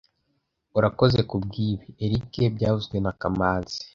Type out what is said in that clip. Urakoze kubwibi, Eric byavuzwe na kamanzi